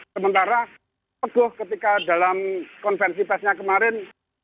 sementara teguh ketika dalam konvensi pesnya kemarin